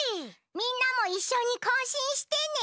みんなもいっしょにこうしんしてね。